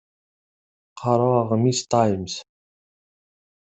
Qqaṛeɣ aɣmis Times.